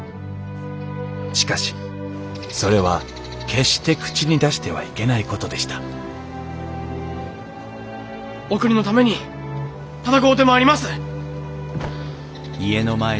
しかしそれは決して口に出してはいけないことでしたお国のために戦うてまいります！